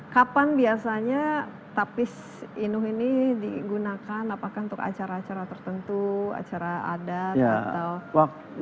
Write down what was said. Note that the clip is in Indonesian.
kapan biasanya tapis inuh ini digunakan apakah untuk acara acara tertentu acara adat atau